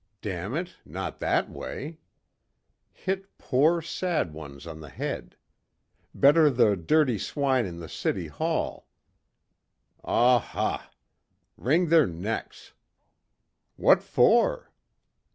Damn it ... not that way. Hit poor, sad ones on the head. Better the dirty swine in the City Hall. Aw huh! Wring their necks. What for?